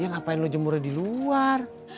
ya ngapain lo jemur di luar